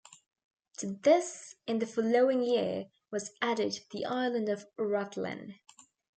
To this in the following year was added the island of Rathlin.